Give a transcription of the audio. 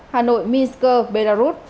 sáu hà nội minsk belarus